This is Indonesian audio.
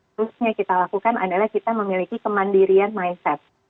terusnya kita lakukan adalah kita memiliki kemandirian mindset